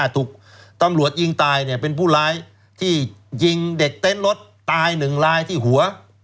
ถูกตำรวจยิงตายเป็นผู้ร้ายที่ยิงเด็กเต้นรถตายหนึ่งลายที่หัว